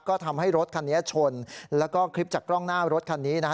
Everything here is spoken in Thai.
ก็ทำให้รถคันนี้ชนแล้วก็คลิปจากกล้องหน้ารถคันนี้นะฮะ